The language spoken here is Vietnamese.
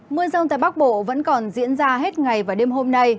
mưa rông tại bắc bộ vẫn còn diễn ra hết ngày và đêm hôm nay